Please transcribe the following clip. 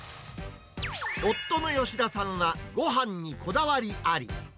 夫の吉田さんはごはんにこだわりあり。